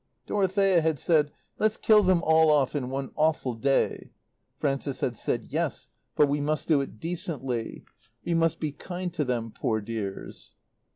Dorothea had said: "Let's kill them all off in one awful day." Frances had said: "Yes, but we must do it decently. We must be kind to them, poor dears!"